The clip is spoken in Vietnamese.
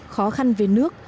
khó khăn về nước